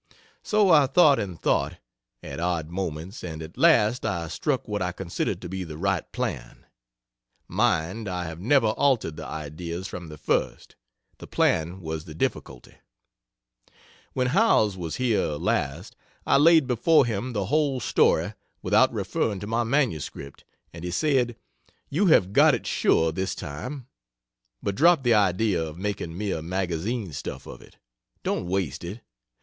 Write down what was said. So I thought and thought, at odd moments and at last I struck what I considered to be the right plan! Mind I have never altered the ideas, from the first the plan was the difficulty. When Howells was here last, I laid before him the whole story without referring to my MS and he said: "You have got it sure this time. But drop the idea of making mere magazine stuff of it. Don't waste it.